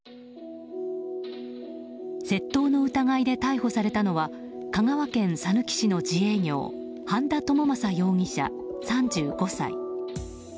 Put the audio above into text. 窃盗の疑いで逮捕されたのは香川県さぬき市の自営業半田智将容疑者、３５歳。